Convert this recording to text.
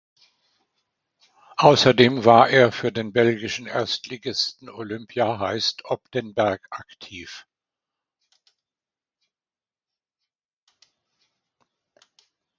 Außerdem war er für den belgischen Erstligisten Olympia Heist op den Berg aktiv.